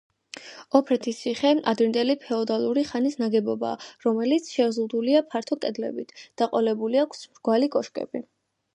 ოფრეთის ციხე ადრინდელი ფეოდალური ხანის ნაგებობაა, რომელიც შემოზღუდულია ფართო კედლებით, დაყოლებული აქვს მრგვალი კოშკები.